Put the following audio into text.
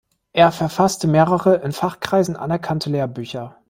Er verfasste mehrere in Fachkreisen anerkannte Lehrbücher.